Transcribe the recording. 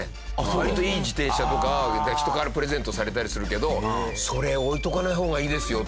割といい自転車とか人からプレゼントされたりするけど「それ置いとかない方がいいですよ」